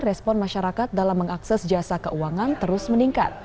respon masyarakat dalam mengakses jasa keuangan terus meningkat